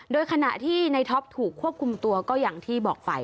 โดยขณะที่ในท็อปถูกควบคุมตัวก็อย่างที่บอกไป